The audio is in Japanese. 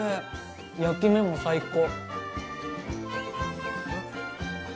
焼き目も最高。